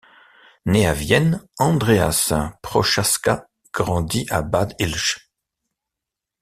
Né à Vienne, Andreas Prochaska grandit à Bad Ischl.